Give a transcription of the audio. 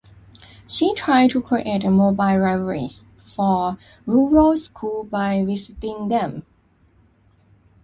She tried to create "mobile libraries" for rural schools by visiting them.